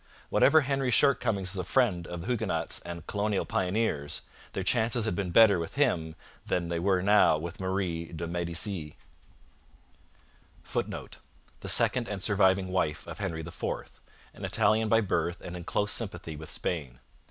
Whatever Henry's shortcomings as a friend of Huguenots and colonial pioneers, their chances had been better with him than they now were with Marie de Medicis [Footnote: The second and surviving wife of Henry IV an Italian by birth and in close sympathy with Spain.